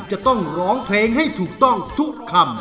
จะต้องร้องเพลงให้ถูกต้องทุกคำ